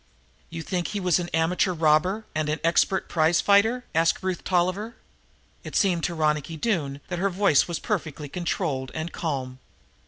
"You think he was an amateur robber and an expert prize fighter?" asked Ruth Tolliver. It seemed to Ronicky Doone that her voice was perfectly controlled and calm.